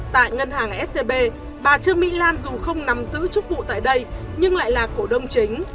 tại ngân hàng scb bà trương mỹ lan dù không nắm giữ chức vụ tại đây nhưng lại là cổ đông chính